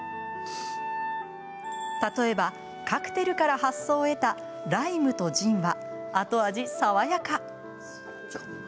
例えばカクテルから発想を得たライムとジンは後味爽やか。